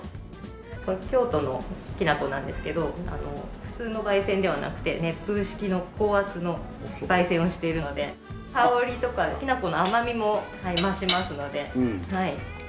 これ京都のきな粉なんですけど普通の焙煎ではなくて熱風式の高圧の焙煎をしているので香りとかきな粉の甘みも増しますので。